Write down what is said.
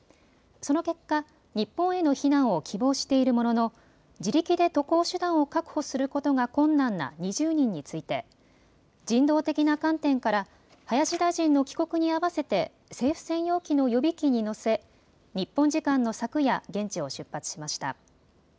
その結果、日本への避難を希望しているものの自力で渡航手段を確保することが困難な２０人について人道的な観点から林大臣の帰国に合わせて政府専用機の予備機に乗せ日本時間の昨夜現地を出発しました。